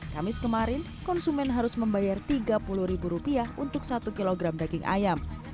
kamis kemarin konsumen harus membayar tiga puluh untuk satu kilogram daging ayam